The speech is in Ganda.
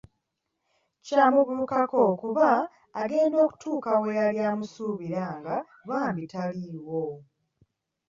Ky’amubuukako kuba agenda okutuuka we yali amusuubira nga bambi taliiwo.